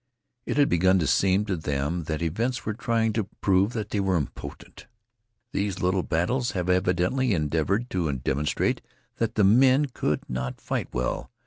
It had begun to seem to them that events were trying to prove that they were impotent. These little battles had evidently endeavored to demonstrate that the men could not fight well.